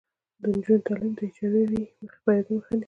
د نجونو تعلیم د اچ آی وي خپریدو مخه نیسي.